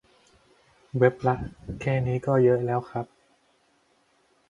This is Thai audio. เว็บละ แค่นี้ก็เยอะแล้วครับ